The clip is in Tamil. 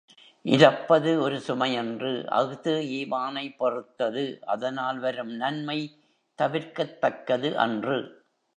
இரப்பது ஒரு சுமை அன்று அஃது ஈவானைப் பொறுத்தது அதனால் வரும் நன்மை தவிர்க்கத்தக்கது அன்று.